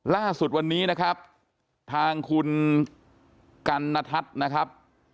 ล่าสุดวันนี้นะครับทางคุณกัณทัศน์นะครับ